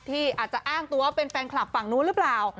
ที่อาจจะอ้างตัวเป็นแฟนคลับฝั่งนู้นหรือเปล่า